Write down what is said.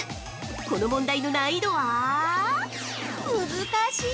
この問題の難易度は難しい。